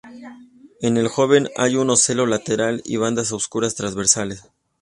En el joven hay un ocelo lateral y bandas oscuras transversales.